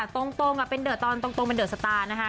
ตรงเป็นเดอะตอนตรงเป็นเดอะสตาร์นะคะ